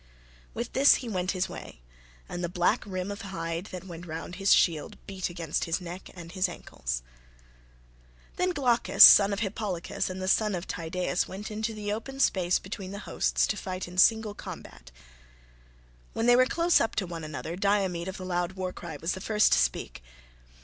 With this he went his way, and the black rim of hide that went round his shield beat against his neck and his ancles. Then Glaucus son of Hippolochus, and the son of Tydeus went into the open space between the hosts to fight in single combat. When they were close up to one another Diomed of the loud war cry was the first to speak.